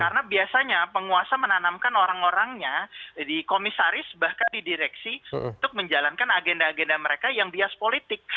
karena biasanya penguasa menanamkan orang orangnya di komisaris bahkan di direksi untuk menjalankan agenda agenda mereka yang bias politik